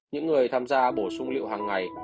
những người tham gia bổ sung liệu hàng ngày